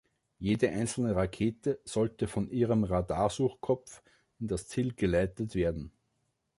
Jede einzelne Rakete sollte von ihrem Radarsuchkopf in das Ziel geleitet werden.